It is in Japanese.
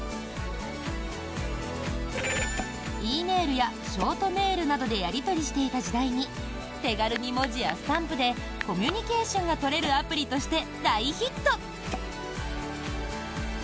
Ｅメールやショートメールなどでやり取りしていた時代に手軽に文字やスタンプでコミュニケーションが取れるアプリとして大ヒット。